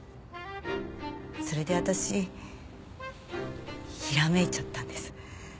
それで私ひらめいちゃったんです。